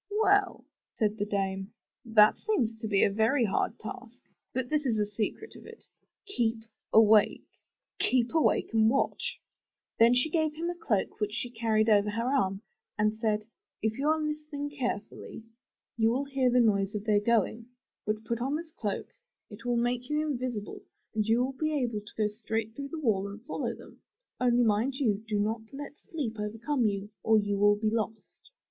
Well,'' said the dame, *'that seems to be a very hard task. But this is the secret of it — keep awake ! Keep awake and watch T' Then she gave him a cloak which she carried over her arm, and she said, ''If you are listening carefully, you will hear the noise of their going. Then put on this coat; it will make you invisible and you will be able to go straight through the wall and follow them. Only mind you, do not let sleep overcome you or you will be lost.''